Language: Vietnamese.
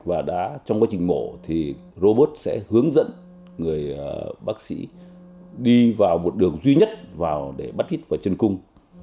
và trong quá trình mổ robot sẽ hướng dẫn người bác sĩ đi vào một đường duy nhất để bắt vít vào chân cung